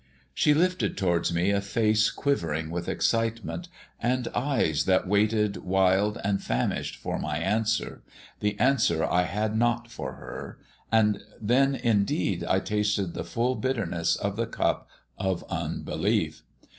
She lifted towards me a face quivering with excitement, and eyes that waited wild and famished for my answer the answer I had not for her, and then indeed I tasted the full bitterness of the cup of unbelief.